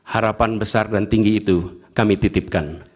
harapan besar dan tinggi itu kami titipkan